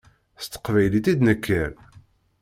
S teqbaylit i d-nekker.